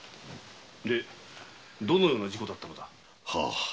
どのような事故だったのだ？